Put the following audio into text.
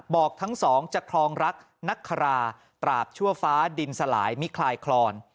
อกทั้งสองจะคลองรักนักคาราตราบชั่วฟ้าดินสลายมิคลายคลอน